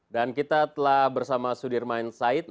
dan kita telah bersama sudirman said